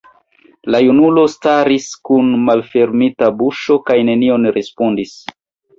La junulo staris kun malfermita buŝo kaj nenion respondis.